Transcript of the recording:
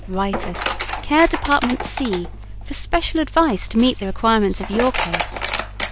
Write us care DEPT. C. for special advice to meet the requirements of your case.